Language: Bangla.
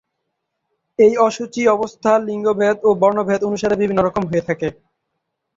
এই অশুচি অবস্থা লিঙ্গভেদ ও বর্ণভেদ অনুসারে বিভিন্ন রকম হয়ে থাকে।